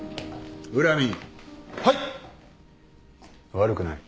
悪くない